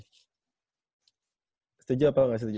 setuju apa gak setuju